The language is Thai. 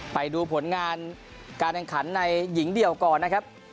ไปดูผลงานการแข่งขันในหญิงเดี่ยวก่อนนะครับ